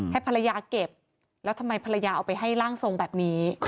ให้ภรรยาเก็บแล้วทำไมภรรยาเอาไปให้ร่างทรงแบบนี้